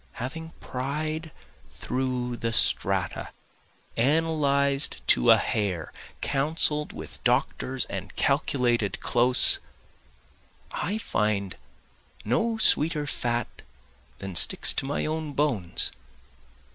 Having pried through the strata, analyzed to a hair, counsel'd with doctors and calculated close, I find no sweeter fat than sticks to my own bones.